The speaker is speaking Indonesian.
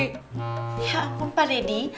ya ampun pak deddy